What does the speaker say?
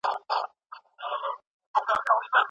پخوانیو انسانانو د طبیعت په اړه تعبیرونه کول.